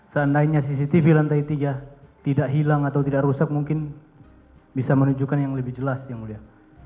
seandainya cctv lantai tiga tidak hilang atau tidak rusak mungkin bisa menunjukkan yang lebih jelas yang mulia